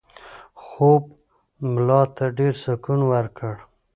خوب ملا ته ډېر سکون ورکړ.